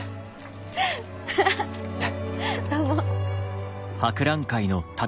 どうも。